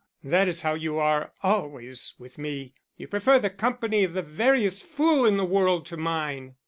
That is how you are always with me. You prefer the company of the veriest fool in the world to mine.